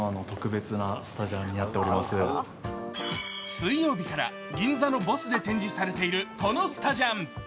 水曜日から銀座のボスで展示されているこのスタジャン。